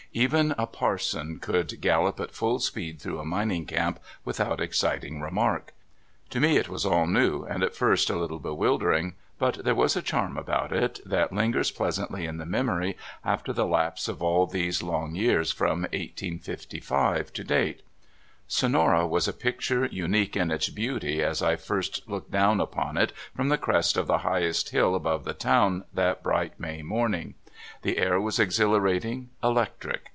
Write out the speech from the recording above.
Even a parson could gallop at full speed through a mining camp without exciting remark. To me it was all new, and at first a little bewildering, but there was a charm about it that lingers pleasantly in the memory after the lapse of all these long years from 1855 to date. Sonora was a picture unique in its beauty as I first looked down upon it from the crest of the highest hill above the town that bright May morn ing. The air was exhilarating, electric.